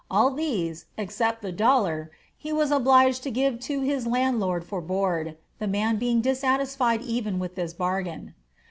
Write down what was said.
All these, except the dollar, he was obliged to give to his landlord for board, the man being dissatisfied even with this bargain.